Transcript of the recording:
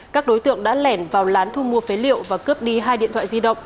các đối tượng đã lẻn vào lán thu mua phế liệu và cướp đi hai điện thoại di động